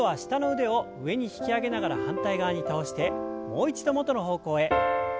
下の腕を上に引き上げながら反対側に倒してもう一度元の方向へ。